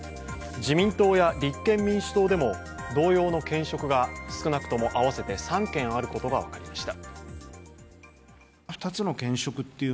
自民党や立憲民主党でも同様の兼職が少なくとも合わせて３件あることが分かりました。